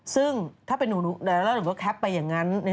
ซึ่งถ้าเป็นหนูแล้วหนูก็แคปไปอย่างนั้น